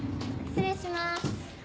失礼します。